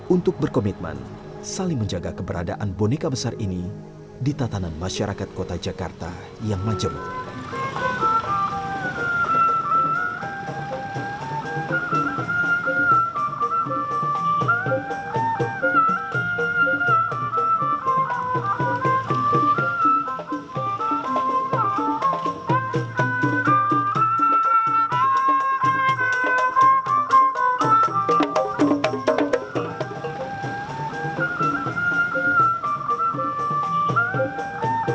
untuk berkomitmen saling menjaga keberadaan boneka besar ini di tatanan masyarakat kota jakarta yang majemuk